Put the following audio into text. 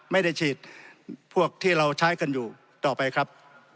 ไม่ได้ฉีดพวกที่เราใช้กันอยู่ต่อไปครับ